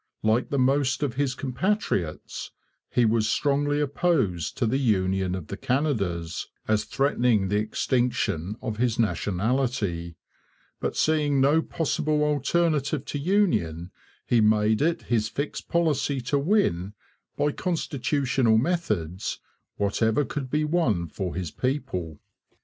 Like the most of his compatriots, he was strongly opposed to the union of the Canadas, as threatening the extinction of his nationality; but seeing no possible alternative to union, he made it his fixed policy to win, by constitutional methods, whatever could be won for his people.